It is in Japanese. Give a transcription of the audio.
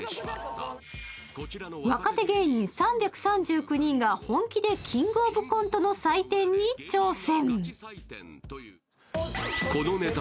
若手芸人３３９人が本気で「キングオブコント」の採点に挑戦。